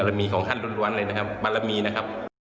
รมีของท่านล้วนเลยนะครับบารมีนะครับ